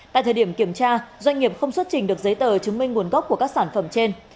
tại thời điểm kiểm tra doanh nghiệp không xuất trình được giấy tờ chứng minh nguồn gốc của các sản phẩm trên